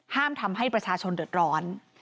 ห้ามทำให้ประชาชนเดือดร้อน